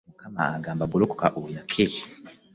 Mukama agamba golokoka oyake.